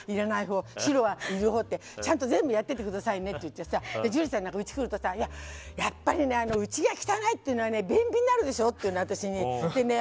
ほう白はいるほうってちゃんと全部やってくださいねって樹里ちゃんなんか、うちに来るとやっぱりねうちが汚いっていうのは便秘になるでしょっていうの。